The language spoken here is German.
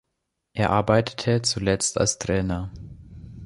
Er arbeitete zuletzt als Trainer.